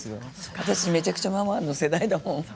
私めちゃくちゃママの世代だもん。